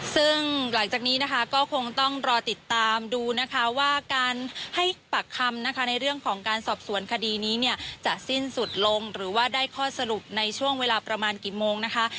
ซึ่งหลังจากนี้นะคะก็คงต้องรอติดตามดูนะคะว่าการให้ปากคำนะคะในเรื่องของการสอบสวนคดีนี้เนี่ยจะสิ้นสุดลงหรือว่าได้ข้อสรุปในช่วงเวลาประมาณกี่โมงนะคะ